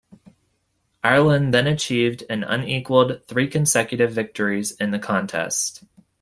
Ireland then achieved an unequalled three consecutive victories in the contest.